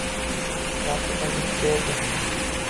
Yaxshi taklif berdi.